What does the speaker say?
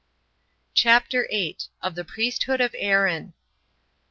CHAPTER 8. Of The Priesthood Of Aaron.